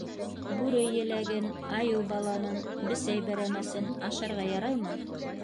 Бүре еләген, айыу баланын, бесәй бәрәмәсен ашарға яраймы?